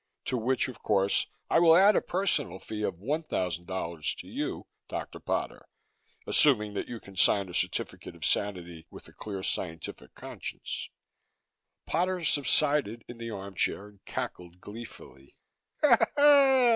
To which, of course, I will add a personal fee of one thousand dollars to you, Dr. Potter, assuming that you can sign a certificate of sanity with a clear scientific conscience." Potter subsided in the arm chair and cackled gleefully.